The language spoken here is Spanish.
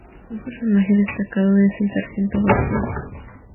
Un personaje destacado es el sargento García.